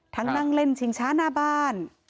นั่งเล่นชิงช้าหน้าบ้าน